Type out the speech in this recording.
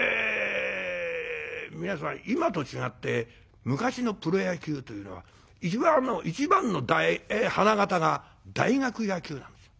皆さん今と違って昔のプロ野球というのは一番の花形が大学野球なんですよ。